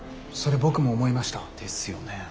それ僕も思いました。ですよね。